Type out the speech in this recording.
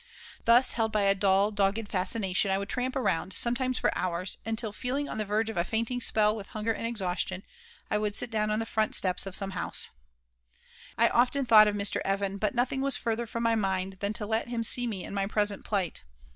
Thus, held by a dull, dogged fascination, I would tramp around, sometimes for hours, until, feeling on the verge of a fainting spell with hunger and exhaustion, I would sit down on the front steps of some house I often thought of Mr. Even, but nothing was further from my mind than to let him see me in my present plight.